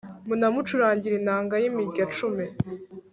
munamucurangire inanga y'imirya cumi